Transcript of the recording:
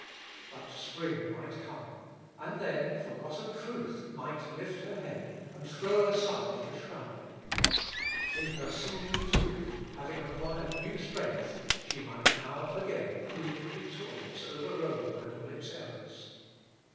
But spring might come, and then forgotten truth might lift her head, and throw aside her shroud. In her seeming tomb, having acquired new strength, she might now again prove victorious over Rome and all its errors.